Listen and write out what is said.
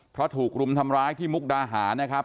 เพราะถูกรุมทำร้ายที่มุกดาหารนะครับ